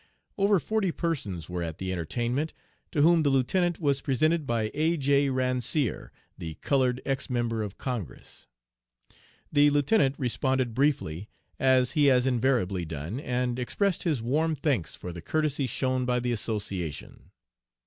Over forty persons were at the entertainment, to whom the lieutenant was presented by A. J. Ransier, the colored ex member of Congress. The lieutenant responded briefly, as he has invariably done, and expressed his warm thanks for the courtesy shown by the association.